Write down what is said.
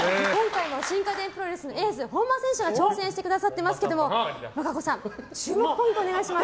今回も新家電プロレスのエース本間選手が挑戦してくださってますけども和歌子さん注目ポイントお願いします。